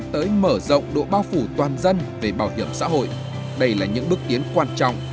tới mở rộng độ bao phủ toàn dân về bảo hiểm xã hội đây là những bước tiến quan trọng